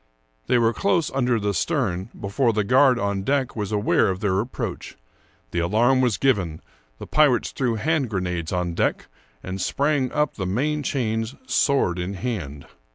They were close under the stern before the guard on deck was aware of their approach. The alarm was given ; the pirates threw hand grenades on deck, and sprang up the main chains,^ sword in hand.